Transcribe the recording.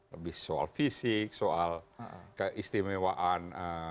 lebih soal fisik soal keistimewaan